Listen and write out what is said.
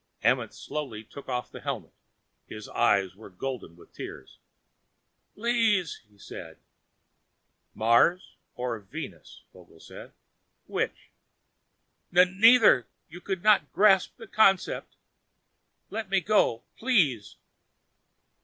Amenth slowly took off the helmet. His eyes were golden with tears. "Please," he said. "Mars or Venus?" Vogel said. "Which?" "N neither. You could not grasp the concept. Let me go. Please!"